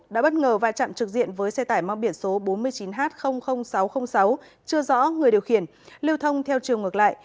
đã bất ngờ va chạm trực diện với xe tải mang biển số bốn mươi chín h sáu trăm linh sáu chưa rõ người điều khiển lưu thông theo chiều ngược lại